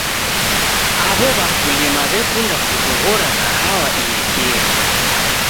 Aw'o w'akulima w'ekunda kuzoghora kahawa iekeri.